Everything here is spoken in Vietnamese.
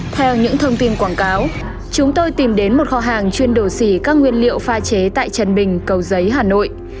theo những thông tin quảng cáo chúng tôi tìm đến một kho hàng chuyên đồ xỉ các nguyên liệu pha trà đào